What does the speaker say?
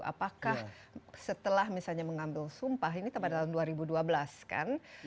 apakah setelah misalnya mengambil sumpah ini pada tahun dua ribu dua belas kan